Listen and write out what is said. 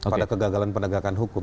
pada kegagalan penegakan hukum